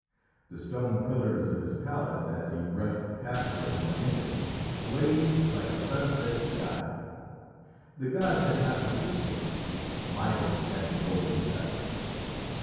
The stone pillars of his palace as he brushed past them on entering, blazed like a sunset sky. The gods had not deceived him. Midas had the Golden Touch.